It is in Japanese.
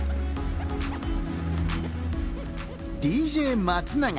ＤＪ松永。